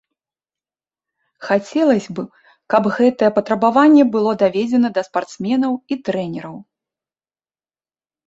Хацелася б, каб гэтае патрабаванне было даведзена да спартсменаў і трэнераў.